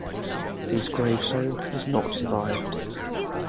His gravestone has not survived.